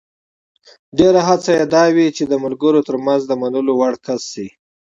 ډېره هڅه یې دا وي چې د ملګرو ترمنځ د منلو وړ کس شي.